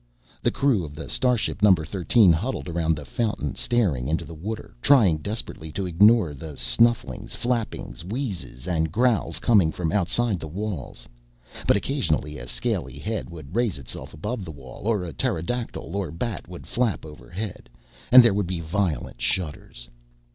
The crew of starship Number Thirteen huddled around the fountain, staring into the water, trying desperately to ignore the snufflings, flappings, wheezes and growls coming from outside the walls. But occasionally, a scaly head would raise itself above the wall, or a pterodactyl or bat would flap overhead, and there would be violent shudders.